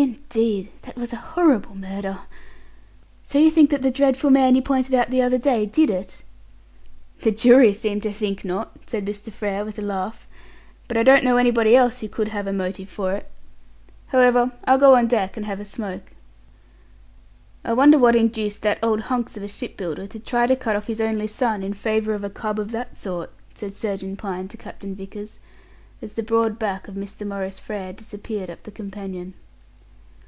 "Indeed. That was a horrible murder. So you think that the dreadful man you pointed out the other day did it?" "The jury seemed to think not," said Mr. Frere, with a laugh; "but I don't know anybody else who could have a motive for it. However, I'll go on deck and have a smoke." "I wonder what induced that old hunks of a shipbuilder to try to cut off his only son in favour of a cub of that sort," said Surgeon Pine to Captain Vickers as the broad back of Mr. Maurice Frere disappeared up the companion.